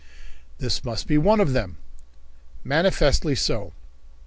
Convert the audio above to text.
"This must be one of them." "Manifestly so."